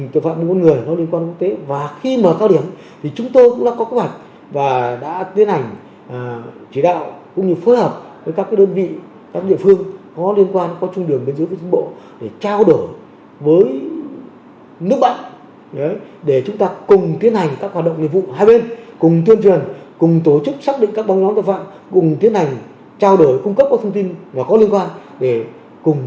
tội phạm mua bán người hiện nay núp bóng trá hình rất tinh vi và đa dạng